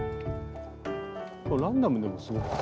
ランダムでもすごく。